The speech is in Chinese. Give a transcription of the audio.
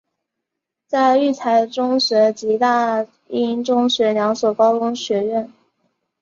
有育才中学及大英中学两所高中学院。